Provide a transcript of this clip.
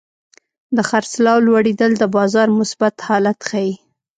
د خرڅلاو لوړېدل د بازار مثبت حالت ښيي.